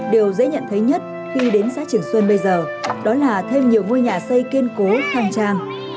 điều dễ nhận thấy nhất khi đến xã trường xuân bây giờ đó là thêm nhiều ngôi nhà xây kiên cố khang trang